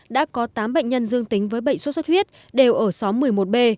đã có tám bệnh nhân dương tính với bệnh suốt suốt huyết đều ở xóm một mươi một b